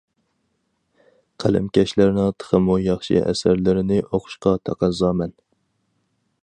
قەلەمكەشلەرنىڭ تېخىمۇ ياخشى ئەسەرلىرىنى ئوقۇشقا تەقەززامەن.